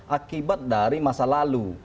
akibat dari masa lalu